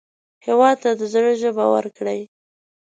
هېواد ته د زړه ژبه ورکړئ